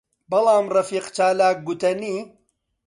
بەڵام ڕەفیق چالاک گوتەنی: